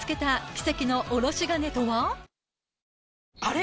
あれ？